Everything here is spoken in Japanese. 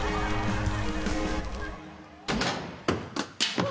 ・うわ。